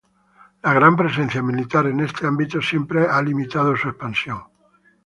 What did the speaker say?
La gran presencia militar en este ámbito siempre ha limitado su expansión.